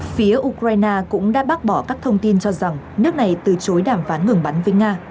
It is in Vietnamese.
phía ukraine cũng đã bác bỏ các thông tin cho rằng nước này từ chối đàm phán ngừng bắn với nga